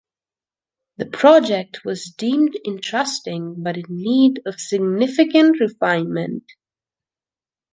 The project was deemed interesting but in need of significant refinement.